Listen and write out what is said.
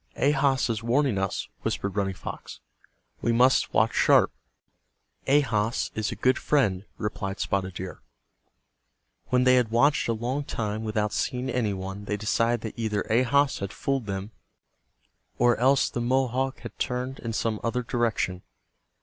"Ahas is warning us," whispered Running Fox. "We must watch sharp." "Ahas is a good friend," replied Spotted Deer. When they had watched a long time without seeing any one they decided that either Ahas had fooled them, or else the Mohawk had turned in some other direction.